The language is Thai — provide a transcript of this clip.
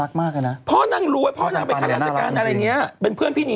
ดายนางคนตามเยอะนะ